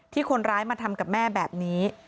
คนร้ายมาทำกับแม่แบบนี้